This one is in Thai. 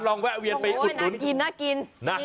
ลองแวะเวียนไปอุดหนุนน่ากิน